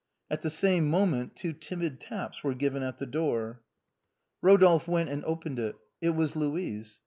At the same moment two timid taps were given at the door. Eodolphe went and opened it. It was Louise.